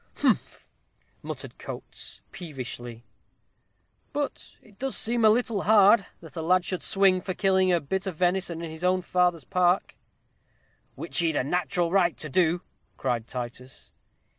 "Humph!" muttered Coates, peevishly. "But it does seem a little hard, that a lad should swing for killing a bit of venison in his own father's park." "Which he'd a nat'ral right to do," cried Titus.